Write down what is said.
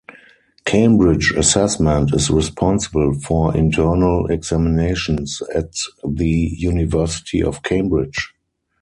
Cambridge Assessment is responsible for internal examinations at the University of Cambridge.